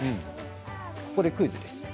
ここでクイズです。